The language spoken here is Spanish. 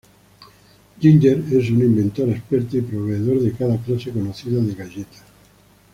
Ginger es una inventora experta, y proveedor de cada clase conocida de galleta.